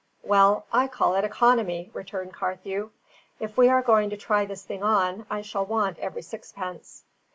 "Well, I call it economy," returned Carthew. "If we are going to try this thing on, I shall want every sixpence."